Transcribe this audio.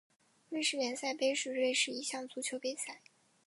瑞士联赛杯是瑞士一项足球杯赛。